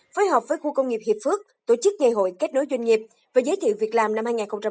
phối hợp với khu công nghiệp hiệp phước tổ chức ngày hội kết nối doanh nghiệp và giới thiệu việc làm năm hai nghìn hai mươi